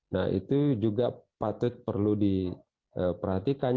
nah itu juga patut perlu diperhatikan